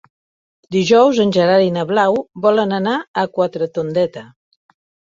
Dijous en Gerard i na Blau volen anar a Quatretondeta.